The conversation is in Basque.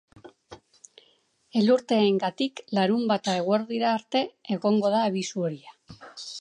Elurteengatik larunbata eguerdira arte egongo da abisu horia.